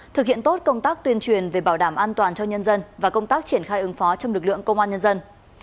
thực hiện tốt công tác tuyên truyền về bảo đảm an toàn cho nhân dân và công tác triển khai ứng phó trong lực lượng công an nhân dân